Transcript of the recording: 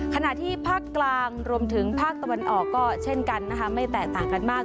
ขณะที่ภาคกลางรวมถึงภาคตะวันออกก็เช่นกันนะคะไม่แตกต่างกันมาก